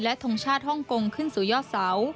และทงชาติฮ่องกงขึ้นสู่ยอดเสา